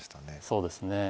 そうですね。